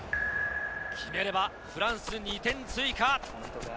決めればフランス、２点追加。